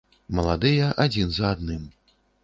Маладыя, адзін за адным.